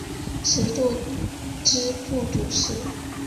授度支部主事。